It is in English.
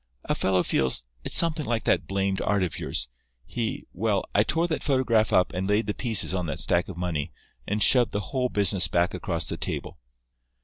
A fellow feels—it's something like that blamed art of yours—he—well, I tore that photograph up and laid the pieces on that stack of money and shoved the whole business back across the table.